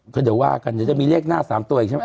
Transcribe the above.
ก็เดี๋ยวว่ากันเดี๋ยวจะมีเลขหน้า๓ตัวอีกใช่ไหม